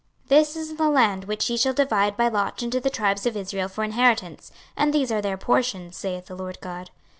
26:048:029 This is the land which ye shall divide by lot unto the tribes of Israel for inheritance, and these are their portions, saith the Lord GOD.